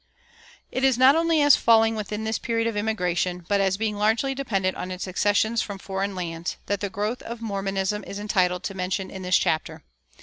It is not only as falling within this period of immigration, but as being largely dependent on its accessions from foreign lands, that the growth of Mormonism is entitled to mention in this chapter.